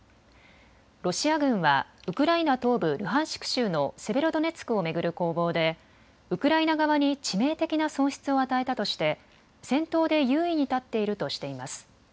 ロシア軍はウクライナ東部ルハンシク州のセベロドネツクを巡る攻防でウクライナ側に致命的な損失を与えたとして戦闘で優位に立っているとしています。